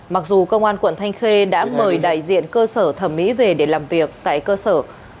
mặc dù công an quận thanh khê đã mời đại diện cơ sở thẩm mỹ về để làm việc tại cơ sở